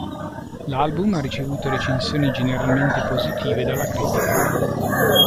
L'album ha ricevuto recensioni generalmente positive dalla critica.